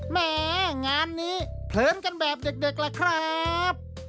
แหมงานนี้เพลินกันแบบเด็กล่ะครับ